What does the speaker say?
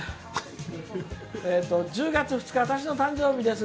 「１０月２日は私の誕生日です」。